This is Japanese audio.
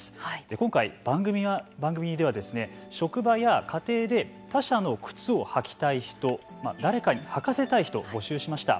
今回番組では職場や家庭で他者の靴を履きたい人誰かに履かせたい人を募集しました。